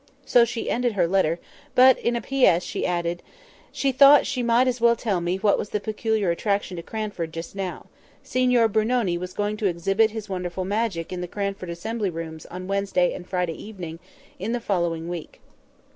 So she ended her letter; but in a P.S. she added, she thought she might as well tell me what was the peculiar attraction to Cranford just now; Signor Brunoni was going to exhibit his wonderful magic in the Cranford Assembly Rooms on Wednesday and Friday evening in the following week.